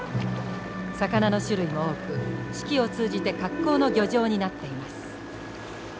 魚の種類も多く四季を通じて格好の漁場になっています。